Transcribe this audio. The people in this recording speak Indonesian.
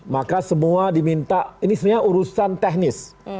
maka semua diminta ini sebenarnya urusan teknis